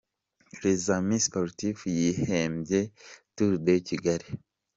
Les Amis Sportifs yihembye Tour de Kigali .